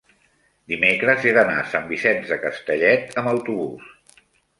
dimecres he d'anar a Sant Vicenç de Castellet amb autobús.